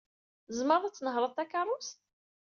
Tzemred ad tnehṛed takeṛṛust?